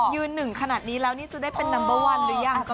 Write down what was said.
ยืน๑ขนาดนี้จะได้เป็นนัมเบอร์๑หรือยัง